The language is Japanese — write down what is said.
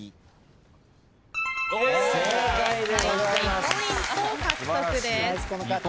２ポイント獲得です。